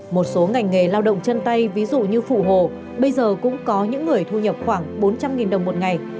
một số ngành nghề lao động chân tay ví dụ như phụ hồ bây giờ cũng có những người thu nhập khoảng bốn trăm linh đồng một ngày